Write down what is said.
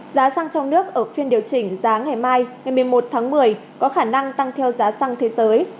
giá xăng trong nước ở phiên điều chỉnh giá ngày mây có khả năng tăng theo giá xăng thế giới